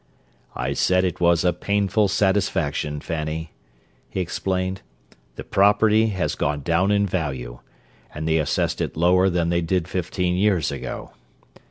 "I said it was a 'painful satisfaction,' Fanny," he explained. "The property has gone down in value, and they assessed it lower than they did fifteen years ago."